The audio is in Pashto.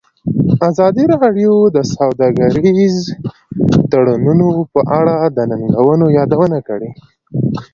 ازادي راډیو د سوداګریز تړونونه په اړه د ننګونو یادونه کړې.